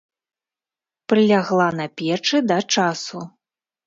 Прылягла на печы да часу.